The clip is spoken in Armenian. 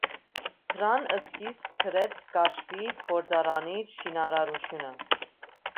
Դրան սկիզբ դրեց կաշվի գործարանի շինարարությունը։